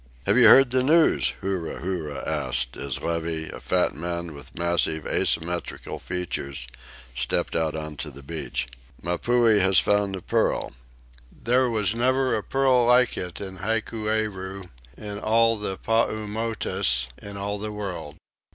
"Have you heard the news?" Huru Huru asked, as Levy, a fat man with massive asymmetrical features, stepped out upon the beach. "Mapuhi has found a pearl. There was never a pearl like it in Hikueru, in all the Paumotus, in all the world.